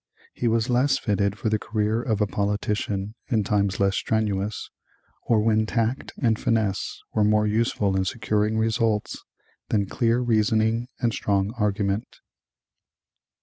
He was less fitted for the career of a politician in times less strenuous, or when tact and finesse were more useful in securing results than clear reasoning and strong argument.